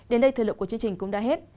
đến đây thời lượng của chương trình cũng đã hết